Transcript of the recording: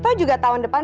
iya tau juga tahun depan